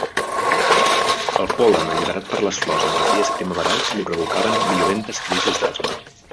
El pol·len alliberat per les flors en els dies primaverals li provocaven violentes crisis d'asma.